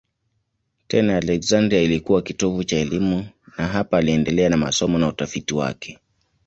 Tena Aleksandria ilikuwa kitovu cha elimu na hapa aliendelea na masomo na utafiti wake.